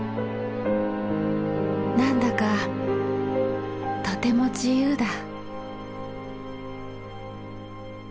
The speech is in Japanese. なんだかとても自由だ。